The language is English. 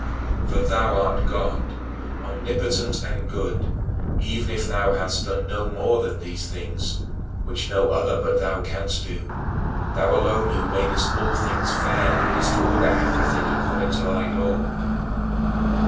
For thou art God, omnipotent and good, even if thou hadst done no more than these things, which no other but thou canst do thou alone who madest all things fair and didst order everything according to thy law.